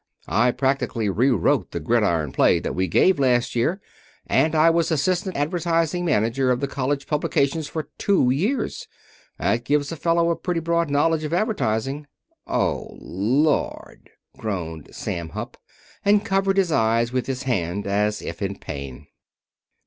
I practically rewrote the Gridiron play that we gave last year, and I was assistant advertising manager of the college publications for two years. That gives a fellow a pretty broad knowledge of advertising." "Oh, Lord!" groaned Sam Hupp, and covered his eyes with his hand, as if in pain.